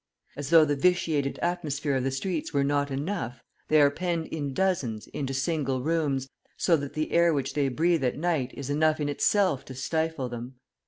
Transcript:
As though the vitiated atmosphere of the streets were not enough, they are penned in dozens into single rooms, so that the air which they breathe at night is enough in itself to stifle them.